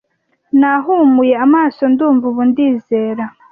nahumuye amaso ndumva ubu ndizera